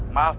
maaf ya pak